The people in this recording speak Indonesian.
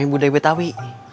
amin budai betawi